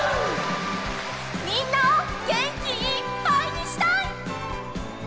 みんなをげんきいっぱいにしたい！